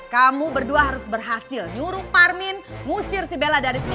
kamu berdua harus berhasil nyuruh parmin ngusir si bella dari sini